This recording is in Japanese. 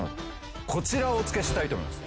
こちらをお付けしたいと思います。